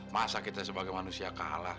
masa kita sebagai manusia kalah